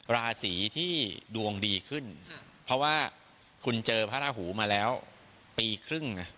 ราศีที่ดวงดีขึ้นเพราะว่าคุณเจอพระราหูมาแล้วปีครึ่ง